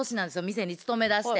店に勤めだして。